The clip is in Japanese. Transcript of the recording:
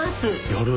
やる！